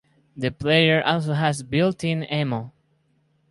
The player also has built-in ammo.